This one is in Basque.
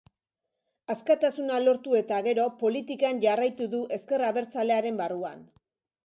Askatasuna lortu eta gero politikan jarraitu du ezker abertzalearen barruan.